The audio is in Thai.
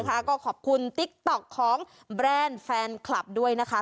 ก็ขอบคุณติ๊กต๊อกของแบรนด์แฟนคลับด้วยนะคะ